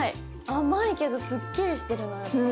甘いけどすっきりしてる。